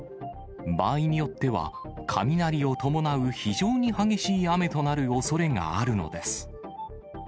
場合によっては、雷を伴う非常に激しい雨となるおそれがあるのです。